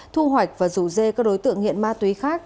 thu hoạch và rủ dê các đối tượng nghiện ma túy khác